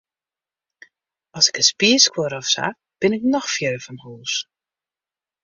As ik in spier skuor of sa, bin ik noch fierder fan hûs.